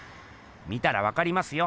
見たらわかりますよ！